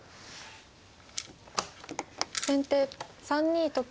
先手３二と金。